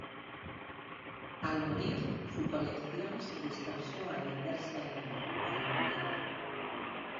Al morir, su colección se dispersó al venderse en almoneda.